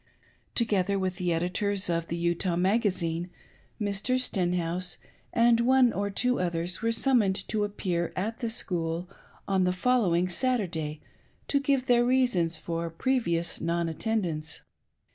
Together with the editors of the Utah Magazine, Mr. Stenhouse and one or two others were summoned to appear at the School on the following Saturday, to give their reasons for previous non attendance.